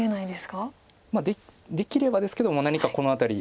できればですけど何かこの辺り。